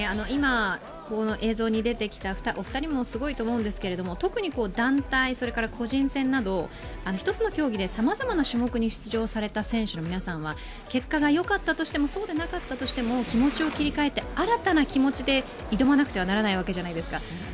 今、この映像に出てきたお二人もすごいと思うんですが特に団体、それから個人戦など、一つの競技でさまざまな種目に出場された選手の皆さんは結果がよかったとしても、そうでなかったとしても気持ちを切り替えて新たな気持ちで挑まなくてはならないわけじゃないですか。